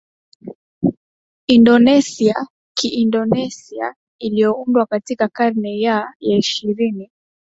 Indonesia Kiindonesia iliyoundwa katika karne ya ya ishirini